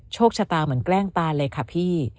โชคชะตาเหมือนแกล้งตาเลยค่ะพี่